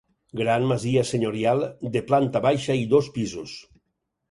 Gran masia senyorial de planta baixa i dos pisos.